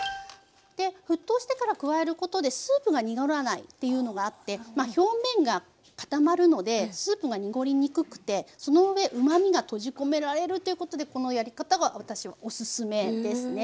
で沸騰してから加えることでスープが濁らないっていうのがあってまあ表面が固まるのでスープが濁りにくくてそのうえうまみが閉じ込められるということでこのやり方が私はおすすめですね。